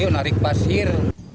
ya menarik pasir